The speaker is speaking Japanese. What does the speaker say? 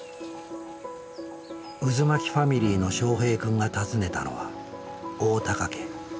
うずまきファミリーのしょうへい君が訪ねたのは大高家。